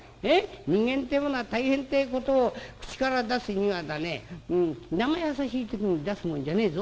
人間ってえものは大変ってえことを口から出すにはだねなまやさしい時に出すもんじゃねえぞ。